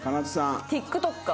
ＴｉｋＴｏｋｅｒ。